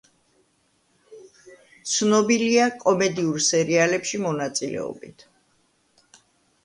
ცნობილია კომედიურ სერიალებში მონაწილებით.